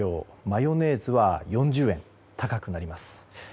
マヨネーズは４０円高くなります。